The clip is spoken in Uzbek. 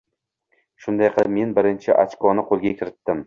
Shunday qilib men birinchi ochkoni qoʻlga kiritdim.